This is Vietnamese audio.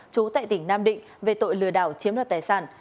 chú tại tỉnh nam định về tội lừa đảo chiếm được tài sản